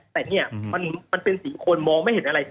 แต่เนี่ยมันเป็นสีคนมองไม่เห็นอะไร